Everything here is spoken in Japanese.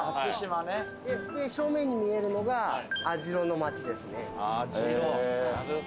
正面に見えるのが網代の街ですね。